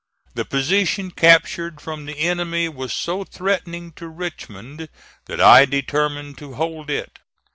The position captured from the enemy was so threatening to Richmond, that I determined to hold it.